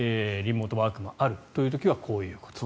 リモートワークもあるという時はこういうこと。